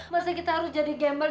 masih kita harus jadi gembel